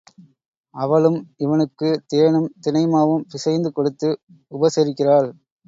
அவளும் இவனுக்கு தேனும் தினை மாவும் பிசைந்து கொடுத்து உபசரிக்கிறாள்.